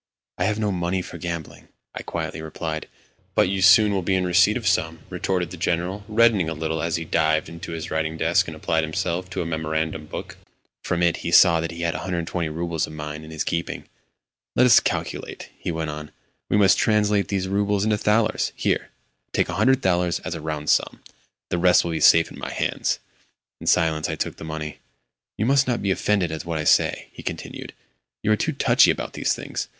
"I have no money for gambling," I quietly replied. "But you will soon be in receipt of some," retorted the General, reddening a little as he dived into his writing desk and applied himself to a memorandum book. From it he saw that he had 120 roubles of mine in his keeping. "Let us calculate," he went on. "We must translate these roubles into thalers. Here—take 100 thalers, as a round sum. The rest will be safe in my hands." In silence I took the money. "You must not be offended at what I say," he continued. "You are too touchy about these things.